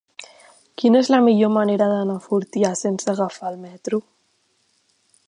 Quina és la millor manera d'anar a Fortià sense agafar el metro?